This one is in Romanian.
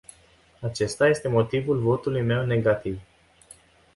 Acesta este motivul votului meu negativ.